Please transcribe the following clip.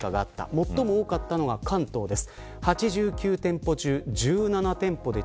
最も多かったのが関東です。